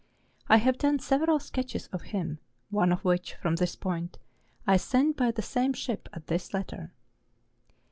I have done several sketches of him, one of which, from this point, I send by the same ship as this letter.